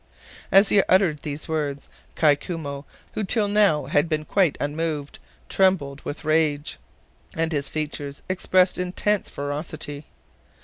As he uttered these words, Kai Koumou, who till now had been quite unmoved, trembled with rage, and his features expressed intense ferocity.